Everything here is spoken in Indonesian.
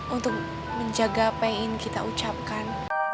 untuk menjaga apa yang ingin kita ucapkan